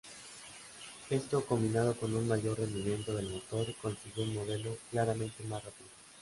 Esto combinado con un mayor rendimiento del motor consiguió un modelo claramente más rápido.